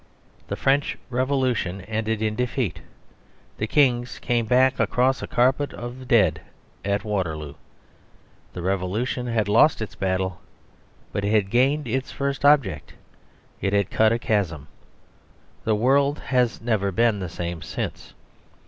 The French Revolution ended in defeat: the kings came back across a carpet of dead at Waterloo. The Revolution had lost its last battle; but it had gained its first object. It had cut a chasm. The world has never been the same since.